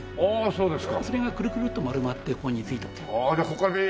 そうですか。